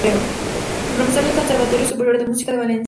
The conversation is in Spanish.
Es profesor del Conservatorio Superior de Música de Valencia.